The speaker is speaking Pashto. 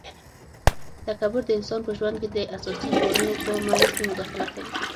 تکبر د انسان په ژوند کي د اساسي کارونو په منځ کي مداخله کوي